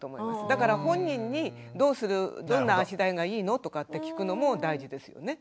だから本人に「どうする？どんな足台がいいの？」とかって聞くのも大事ですよね。